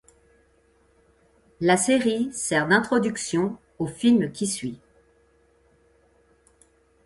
La série sert d'introduction au film qui suit.